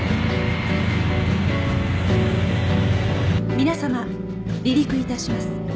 皆さま離陸いたします。